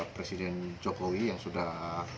presiden jokowi yang sudah